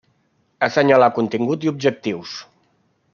Assenyalà contingut i objectius.